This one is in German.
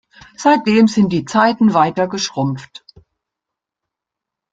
Seitdem sind die Zeiten weiter geschrumpft.